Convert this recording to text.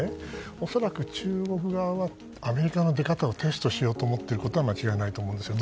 恐らく、中国側はアメリカの出方をテストしようと思っていることは間違いないと思うんですよ。